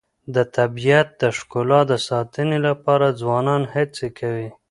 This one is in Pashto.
د طبیعت د ښکلا د ساتنې لپاره ځوانان هڅې کوي.